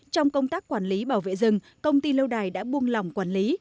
trong công tác quản lý bảo vệ rừng công ty lâu đài đã buông lỏng quản lý